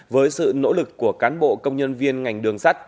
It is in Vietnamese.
với sự nỗ lực của cán bộ công nhân viên ngành đường sắt